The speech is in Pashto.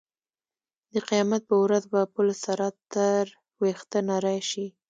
د قیامت په ورځ به پل صراط تر وېښته نرۍ شي.